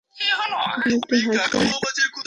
এখন, একটু হাস।